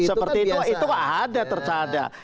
seperti itu itu ada tercada